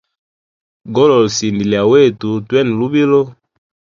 Golola sinda lya wetu twene lubilo.